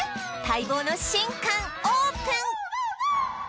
待望の新館オープン